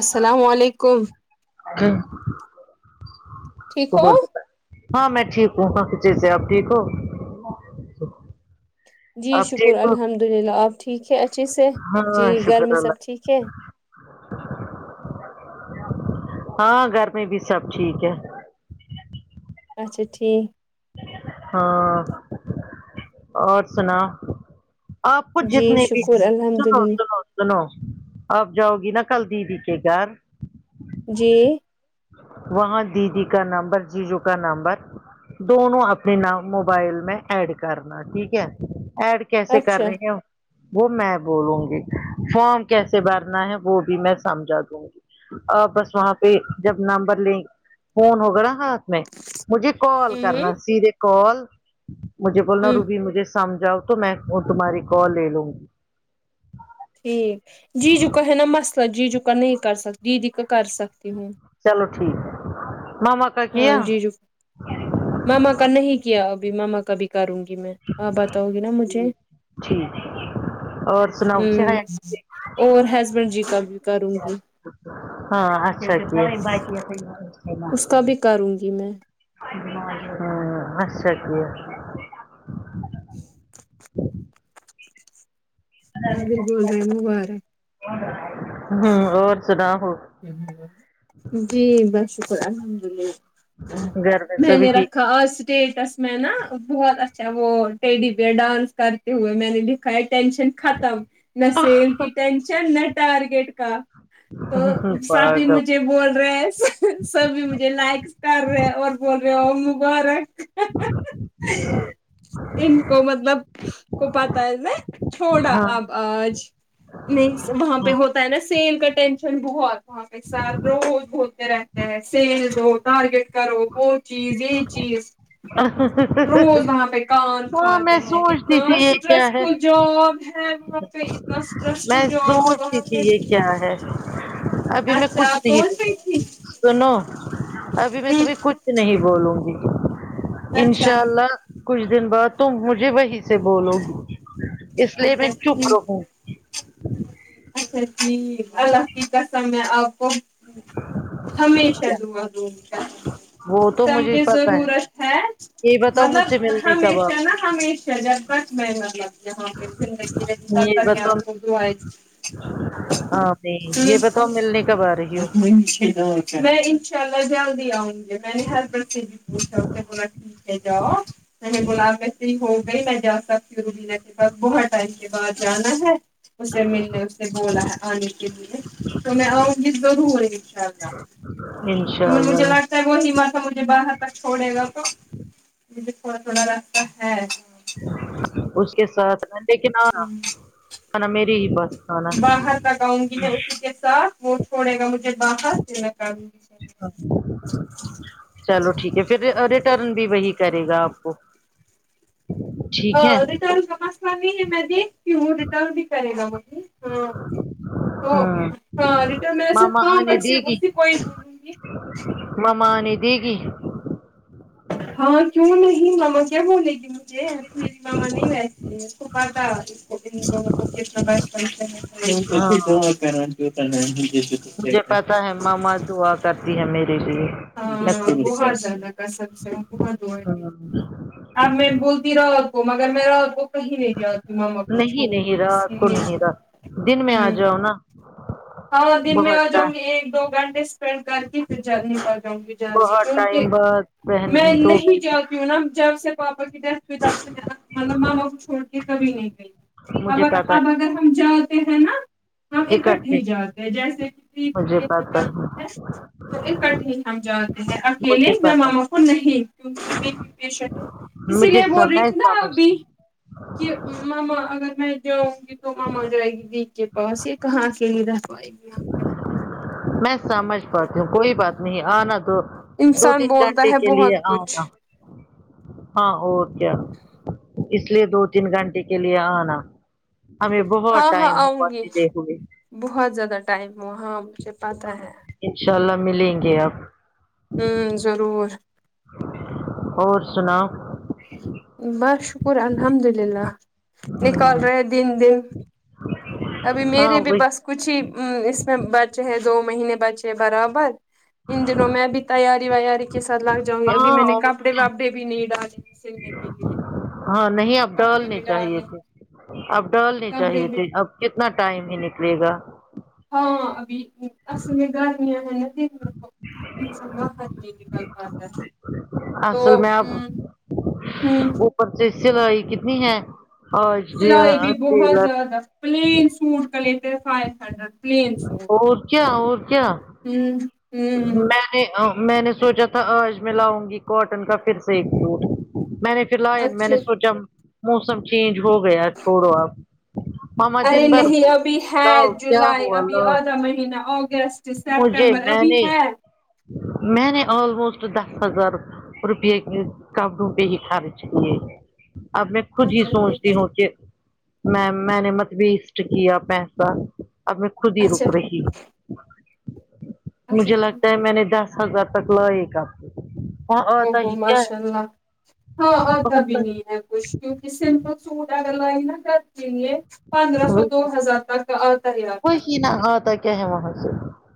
السلام و علیکم ٹھیک ہو [unintelligible] ہاں میں ٹھیک ہوں اچھے سے آپ ٹھیک ہو جی آپ شکر ٹھیک ہو الحمد للہ آپ ٹھیک ہے اچھے سے ہاں جی گهر شکر میں سب اللہ ٹھیک ہے ہاں گهر میں بھی سب ٹھیک ہے اچھا ٹھیک ہاں اور سنا آپ کو جی جتنے بھی شکر الحمد سنو للہ سنو سنو آپ جاؤ گی نہ کل دیدی کے گھر جی وہاں دیدی کا نمبر جیجو کا نمبر دونوں اپنے نام موبائل میں ایڈ کرنا ٹھیک ہے ایڈ کیسے کر اچھا رہے ہیں وہ میں بولوں گی فارم کیسے بھرنا ہے وہ بھی میں سمجھا دوں گی آ بس وہاں پہ جب نمبر لیں فون ہوگا نا ہاں میں مجھے کال ہوں کرنا سیدھے کال مجھے بولنا ہوں روبی مجھے سمجھا ؤ تو میں تمہاری کال لے لوں گی ٹھیک ججو کاا ہے نا مسلہ ججو کہ نہیں کر سکتی دیدی کا کر سکتی ہوں چلو ٹھیک ہے ماما کا ہاں کیا ججو ماما کا نہیں کیا ابھی ماما کا بھی کروں گی میں آپ بتاؤ گی نا مجھے ٹھیک اور سناؤ ہمم اور ہسبینڈ جی کا بھی کروں گی ہاں اچھا ٹھیک اس کا بھی کروں گی میں ہمم اچھا کیا آ دل بول رہے ہیں مبار ک ہمم اور سنا ؤ جی بس شکر الحمد اللہ گھر میں سبھی نے ٹھیک رکھا آج سے اسٹیٹس میں نا بہت اچھا وہ ٹی ڈی بیر ڈانس کرتے ہوئے میں نے دیکھا ٹینشن ختم نہ سل کہ ٹشن نہ ٹارگیٹ کا تو ہے سبھی پاگل مجھے بول رہے سبھی مجھے لائکس کر رہے اور بول رہے مبارک ان کو مطلب کو پتا ہے نے چھوڑا ہاں اب آج نہیں وہاں پہ ہوتا ہے نا سیل کا ٹینشن بہت وہاں پہ سر روز بولتے رہتے ہیں سیل دو ٹارگیٹ کرو وہ چیز یہ چیز روز وہاں پہ کان ہاں میں کھاتے ہیں اتنا سوچتی تھی یہ کیا اسٹریس ہے فل جاب ہے وہاں پہ اسٹریس فل میں جاب ہے سوچتی وہاں پہ تھی یہ کیا ہے ابھی میں اچھا کچھ آپ پہنچ نہیں گئی تھی سنو ابھی میں ہ تمہیں کچھ نہیں بولوں گی اچھا انشاء اللہ کچھ دن بعد تم مجھے وہی سے بولو گی اس لیے اچھا میں چپ ٹھیک رہوں گی اچھا جی اللہ کی قسم میں آپ کو ہمیشہ کیا دعا دوں گی اپ وہ کو تو مجھے سمجھے پتا ہے ضرورت ہے یہ بتاؤ مجھ مطلب سے ملنے کب ہمیشہ نا آؤ ہمیشہ جب تک میں نہ لگ جاؤ وہاں پہ زندگی یہ بتاؤ [unintelligible] ہاں نہیں یہ ہوں بتاؤ ملنے کب آ رہی ہو [unintelligible] میں انشاء اللہ جلد ہی آؤں گی میں نے ہر ہسبنڈ سے بھی پوچھا اے بولا ٹھیک ہے جاؤ میں نے بولا [unintelligible] ہی ہو میں جا سکتی ہوں ربینہ کے پا س بہت ٹائم کے بعد جانا ہے اسے ملنے نے بولا ہے آنے کے لیے تو میں آؤں گی ضرورا انشاءاللہ انشاء کیونکے مجھے لگتا اللہ ہے وہ ہی [unintelligible] مجھے باہر تک چھوڑے گا تو مجھے تھوڑا تھوڑا لگتا ہے اس کے ساتھ لیکن ہاں نا میری ہی بس کھانا باہر تک اؤں گی میں اسی کے ساتھ وہ چھوڑے گا مجھے باہر [unintelligible] چلو ٹھیک ہے پھر ریٹرن بھی وہی کرے گا آپ کو ٹھیک ہے ریٹرن کا مسلہ نہیں ہے میں دیکھتی ہو ریٹرن بھی کرے گا وہ مجھے ہاں تو ہاں ہاں رٹرن میں سے ویسے ہاں ویسے اسی کو ہی بولوگی مما آ نے دے گی ہاں کیوں نہیں مما کیا بولے گی مجھے یہ تو میری ماما نہیں ویسی ہے تو پتا اسکو کتنے لوگوں کو کتنا ہاں [unintelligible] [unintelligible] مجھے پتا ہے مما دعا کرتی ہے میرے لیے ہاں میں خود بھی بہت کرتی ہوں۔ زیادہ قسم سے بہت دعایں دیتی ہاں، ہے کہیں نہیں جاتی ماما کو نہیں چھوڑکے نہیں اس رات کو لیے نہیں رات دن میں آ ہمم جاؤ نا ہاں دن میں بہت آ جاؤں ٹائم گی ایک دو گھنٹے اسپینڈ کر کے پھر جلدی آ جاؤں گی جا جی بہت کیونکہ ٹائم بعد بہن میں دو نہیں بہنیں جاہتی ہوں نا جب سے پاپا مطلب ماما کو چھوڑ کے کبھی نہیں گئی اب مجھے اب اگر ہم جان تے ہے نا ہم یے کر اکٹھے ہی جاتے جیسے کی ہم پتا ہے جاتے ہیں تو اکٹ ہم جاتے اکیلے مجھے پتا مہمانو کو نہیں [unintelligible] ہے اسی مجھے لیے بول رہی سمے تھی نا آپ بھی سمجھتی ہوں کہ ماما اگر میں جاؤں گی تو ماما جائے گی دی کے پاس یے کہاں سے دی را [unintelligible] میں سمجھ پاتی ہوں کوئی بات نہیں آنا تو دو انسان تین بولتا گھنٹے ہے کے لیے بہت کچھ آنا ہاں اور کیا اس لیے دو تین گھنٹے کے لیے آنا ہمیں بہت ہاں ہاں ٹائم ہوا آؤں گی توجہ دیکھوں گے بہت زیادہ ٹائم ہو ہاں مجھے پاتہ ہے انشاء اللہ ملیں گے اب ہمم ضرور اور سناؤ بس شکر الحمد للہ نکال رہے ہے دن دن ابھی ہاں میرے بھی وہی بس کچھ ہی اس میں بچے ہے دو مہینے بچے ہیں برابر ان دنوں میں ابھی تیاری ویاری کے ساتھ لگ جؤں گی ابھی ہاں میں نے اور کپڑے کیا واپڑے بھی نہیں ڈالے سلنے کے لیے ہاں نہیں اب ڈال کپڑے نے بھی چاہیے ڈالنے تھے اب ڈالنی کپڑے چاہیے بھی تھی اب کتنا ٹائم ہی نکلے گا ہاں ابھی اصل میں گرمیاں ہیں نا دن میں انسان باہر نہیں نکال پاتا ہے تو اصل میں اب ہ اوپر سے سلائی کتنی ہے اج جی ہاں [unintelligible] پلیس [unintelligible] فائیو ہنڈرڈ پلیس اور کیا اور کیا ہمم میں میں نے سوچا تھا آج میں لاؤں گی کاٹن کا پھر سے ایک سوٹ میں نے پھر میں اچھا نے سوچا موسم چینج ہو گیا چھوڑو اب ماما ارے دن بھر نہیں ابھی ہے لاؤ کیا جولائی ہوا ابھی لاؤ آدھا مہینہ اگست مجھے سیپٹمبر میں ابھی نے ہے میں نے آللموسٹ دس ہزار روپیے کے کپڑوں پر ہی خرچ کیے اب میں خود ہی اچھا سوچتی ہوں کہ میں میں نے مت وسٹ کیا پیسہ اب میں خود ہی اچھا رک رہی اچھا مجھے لگتا ہے ٹھیک میں نے دس ہزار تک لیے کپ او ہو ماشاء اللہ ہاں آتا بھی بہت نہیں ہے کچھ کیونکی سمپل سوٹ اگر لائ نا [unintelligible] پندرہ سو دو ہزار تک کا آتا ہی آتا ہے وہی آتا ہے کیا ہے وہاں سے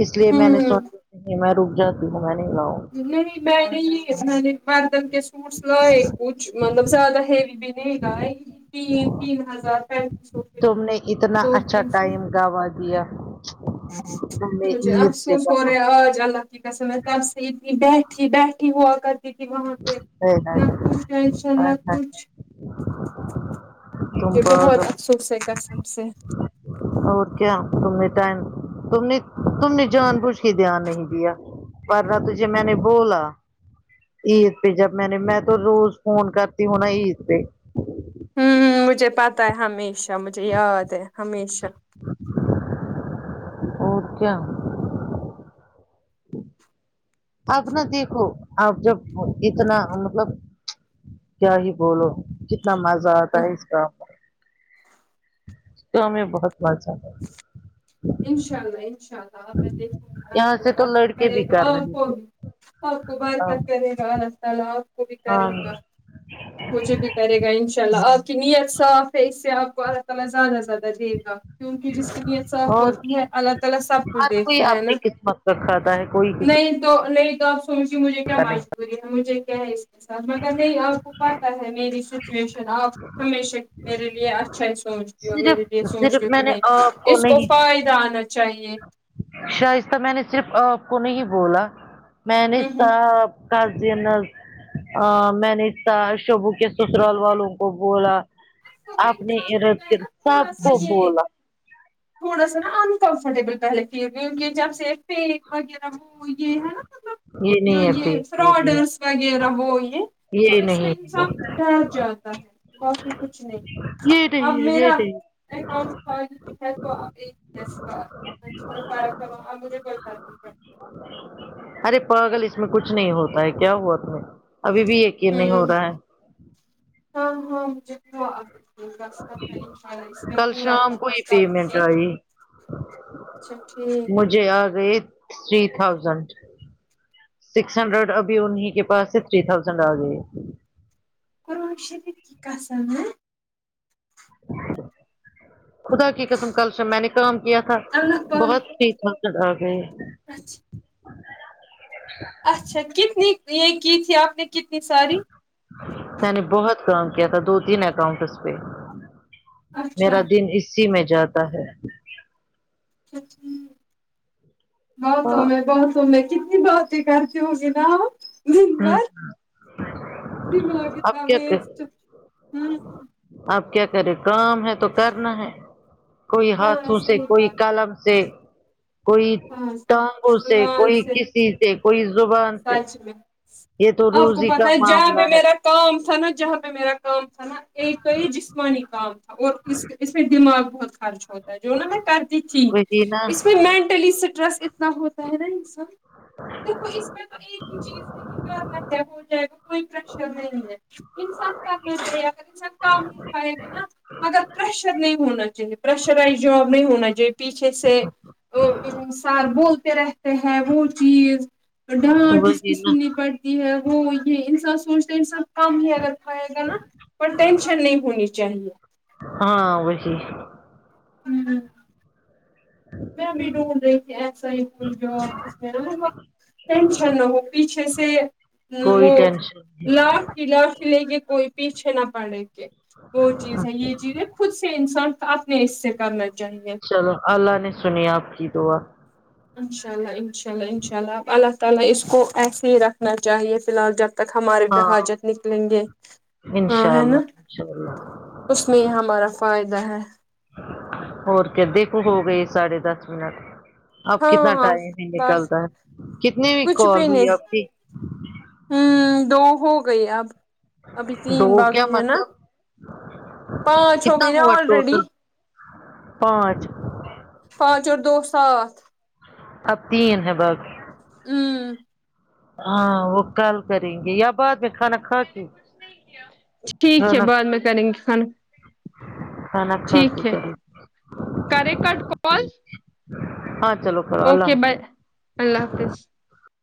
اس لیے میں نے ہوں سوچ میں رک جاتی ہوں میں نہیں لاؤں نہیں میں نے اس مہینے [unintelligible] سوٹس لائے کچھ مطلب زیادہ ہیوی بھی نہیں لائے تین تین ہزار پینتیس سو کے تم لائے نے اتنا دو اچھا تین سو ٹائم گوا دیا تم نے مجھے عید سے افسوس ہو گوا رہا آج اللہ کی قسم ہے تب سے اتنی بیٹھی بیٹھی ہوا کر کرتی تھی وہاں پہ ہائے نہ ہائے کچھ ٹینشن نہ ہائے ہائے کچھ کہ تم بہت پاگل افسوس ہے قسم سے اور کیا تم نے ٹائم تم نے تم نے جان بوجھ کے دھیان نہیں دیا ورنہ تجھے میں نے بولا عید پہ جب میں نے میں تو روز فون کرتی ہونا عید پہ ہمم ہمم مجھے پتہ ہے ہمیشہ مجھے یاد ہے ہمیشہ اور کیا آپ نہ دیکھو آپ جب اتنا مطلب کیا ہی بولو کتنا مزہ آتا ہے اس کا تو ہمیں بہت مزہ آتا انشاء اللہ انشاء اللہ آپ دیکھوں گی ہے یہاں آپ سے تو بک لڑکے کرے بھی گا کر رہے آپ تھے بھی آپ کو کام بارکت کرے گا کل آپکو بھی ہاں کرے گا مجھے بھی کرے گا انشاء اللہ آپ کی نیت صاف ہے اس سے آپ کو اللہ تعا لی زیادہ زیادہ دے گا کیونکہ جس کی نیت صاف اور ہوتی ہے کیا اللہ تعالی سب کچھ ہر کوئی دیکھتا ہے نا اپنی قسمت کا کھاتا ہے کوئی کسی نہیں تو نہیں تو مجھے مجھے کیا کا نہیں مجبوری ہے مجھے کیا ہے اس مگر نہیں آپ کو پتہ ہے میری سچویشن آپ ہمیشہ میرے لیے اچھا ہی سوچتی ہو صرف میرے لیے سوچتی صرف ہو کہ میں نے نہیں آپ اس کو نہیں فائدہ آنا چاہیے شائستہ میں نے صرف آپ کو نہیں بولا میں نے ہوں سب [unintelligible] میں نے شبو کے سسرال والوں کو بولا ہ اپنے ارد گرد سب تھوڑا سا کو یہ بولا تھوڑا سا نا انکمفرٹیبل پہلے فیل کیونکہ جب سے پنیک وغیرہ ہو وہ یہ ہے نا مطلب جو نہیں ہے پھر یہ نہیں فراڈرس وغیرہ وہ یہ تو یہ اس میں نہیں ہے انسان ڈر جاتا ہے باقی کچھ نہیں یہ نہیں اب ہے یہ میرا نہیں اکاؤنٹ کھول فرق کرو اب مجھے کوئی فرق نہیں پڑتا ارے پاگل اس میں کچھ نہیں ہوتا ہے کیا ہوا تمہیں ابھی بھی یقین نہیں ہو ہوں رہا ہے ہاں ہاں مجھے ہوا اب [unintelligible] تا ان شاء اللہ اس میں کل پورا شام کو فوکس ہی کروں پیمنٹ گی آئی اچھا ٹھیک مجھے آ گئے تھری تھاؤزینڈ سکس ہنڈریڈ ابھی انہیں کے پاس سے تھری تھاؤزینڈ آ گئی قرآن شریف کی قسم ہیں خدا کی قسم کل سے میں نے کام کیا تھا اللہ پاک بہت ٹھیک ٹھاک چل رہا تھا اچھا اچھا کتنی یہ کی تھی آپ نے کتنی ساری میں نے بہت کام کیا تھا دو تین اکاؤنٹس پہ میرا اچھا دن اسی میں جاتا ہے اچھا باتوں میں باتوں میں کتنی بات تیں کرتی ہو گی نہ آپ دن ہ بھر دماغ تھا ویسٹ ہاں آپ کیا کرے کام ہے تو کرنا ہے کوئی ہاں ہاتھوں سے صحیح کوئی بات کالم سے کوئی ہاں سر، ٹانگوں سے زبان کوئی سے کسی سے کوئی زبان سے سچ میں یہ تو آپ کو روزی پتا کا ہے جہاں پہ معاملہ ہے میرا کام تھا نا جہاں پہ میرا کام تھا نا ایک یہ جسمانی کام اور اس اس میں دماغ بہت خرچ ہوتا ہے جو نا میں کر تھی وہی نا اس میں مینٹلی اسٹریس اتنا ہوتا ہے نا انسان دیکھو میں ایک ہی چیز ہے کہ کر رہیا ہو جائے گا کوئی پرریشر نہیں ہے انسان کرنا چاہیے اگر انسان کام نہیں کرے گا نا مگر پریشر نہیں ہونا چاہیے پریشرائز جاب نہیں ہونا چاہیے پیچھے سے وہ انسان بولتے رہتے ہیں وہ چیز ڈانٹ اس کی وہی نا سننی پڑتی ہے وہ یہ ان سب سوچتے انسان کم بھی اگر کھایگانا پر ٹینشن نہیں ہونی چاہیے ہاں وہی ہممم میں بھی ڈھونڈ رہی تھی ایسا ہی کچھ جب جس میں نہ ٹینشن نہ ہو پیچھے سے وہ کوئی ٹینشن نہیں لائف کی لاف لے کے کوئی پیچھے نہ پڑے وہ چیز ہے یہ چیزیں خود سے انسان اپنے حصے کرنا چاہیے چلو اللہ نے سنی آپ کی دعا اناء اللہ انشاء اللہ انشاء اللہ اللہ تعالی اس کو ایسے ہی رکھنا چاہے فی الال جب تک ہمارے بھی ہاں حاجت نکلیں گے ہاں انشاء ہے اللہ نا انشاء اللہ اس میں ہی ہمارا فائدہ ہے اور کیا دیکھو ہو گئے ساڑھے دس منٹ اب کتنا ہاں ٹائم ہی بس نکلتا ہے کتنے کال ہوئی آپ کی ہمم دو ہو گئی اب ابھی تین دو کیا باقی ہے نا مطلب پانچ ہو کتنا گئی نہ ہوا آلریڈی ٹوٹل پانچ پانچ اور دو سات اب تین ہے با کہی مم ہاں وہ کال کریں گے یا بعد میں کھانا کھا کے ٹھیک ہے کھانا بعد کھا میں کریں گے کھانا کھانا کھا کے ٹھیک ہے کریں گے کرے کٹ کال ہاں چلو کرو اوکے اللہ بائے حافظ اللہ حافظ